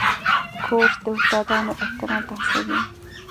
کورس د استادانو احترام ته هڅوي.